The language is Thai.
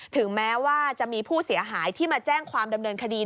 ถึงแม้ว่าจะมีผู้เสียหายที่มาแจ้งความดำเนินคดี